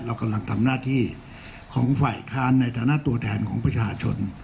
เรากำลังทำหน้าที่ของฝ่ายค้านในฐานะตัวแทนของประชาชน